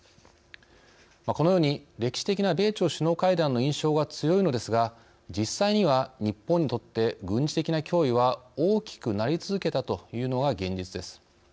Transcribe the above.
このように歴史的な米朝首脳会談の印象が強いのですが、実際には日本にとって軍事的な脅威は大きくなり続けたというのが現実です。